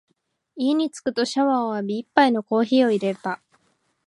家に帰りつくとシャワーを浴び、一杯のコーヒーを淹れた。